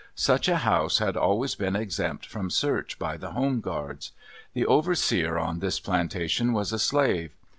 Such a house had always been exempt from search by the Home Guards. The overseer on this plantation was a slave.